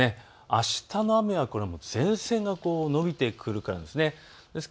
あしたの雨は前線が延びてくるからなんです。